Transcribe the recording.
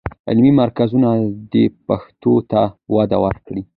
علمي مرکزونه دې پښتو ته وده ورکړي.